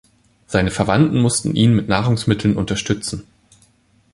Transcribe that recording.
Seine Verwandten mußten ihn mit Nahrungsmitteln unterstützen.